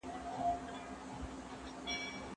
ته به خبره شې چې شور نه لري